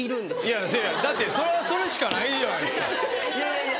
いやそやだってそれはそれしかないじゃないですか。